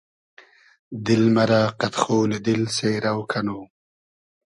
دیل مئرۂ قئد خونی دیل سېرۆ کئنو